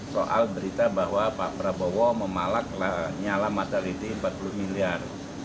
soal berita bahwa pak prabowo memalak nyala mataliti empat puluh miliar